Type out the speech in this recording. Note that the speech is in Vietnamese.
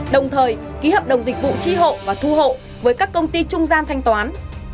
đồng thời ký hợp đồng dịch vụ tri hộ và thu hộ với các công ty trung gian thanh toán